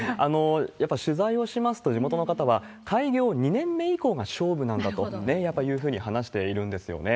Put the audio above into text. やっぱり取材をしますと、地元の方は、開業２年目以降が勝負なんだというふうにね、やっぱり話しているんですよね。